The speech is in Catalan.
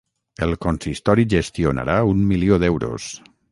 El consistori gestionarà un milió d'euros.